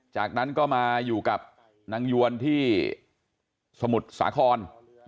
จากนั้นก็มาอยู่กับนางยวนที่สมุทรสาคร